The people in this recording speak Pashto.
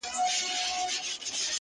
دا به ټوله حاضریږي په میدان کي؛